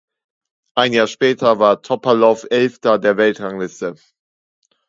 Ein Jahr später war Topalow Elfter der Weltrangliste.